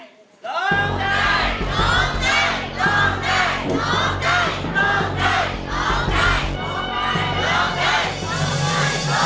ร้องได้